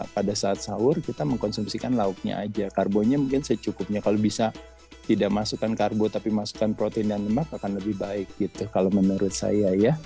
pada saat sahur kita mengkonsumsikan lauknya aja karbonnya mungkin secukupnya kalau bisa tidak masukkan karbo tapi masukkan protein dan lemak akan lebih baik gitu kalau menurut saya ya